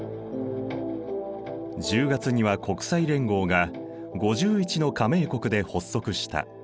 １０月には国際連合が５１の加盟国で発足した。